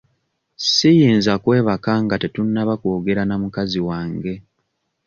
Siyinza kwebaka nga tetunnaba kwogera na mukazi wange.